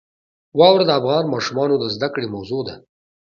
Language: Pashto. واوره د افغان ماشومانو د زده کړې موضوع ده.